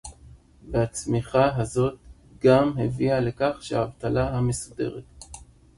והצמיחה הזאת גם הביאה לכך שהאבטלה המסודרת